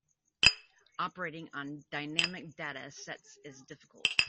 Operating on dynamic data sets is difficult.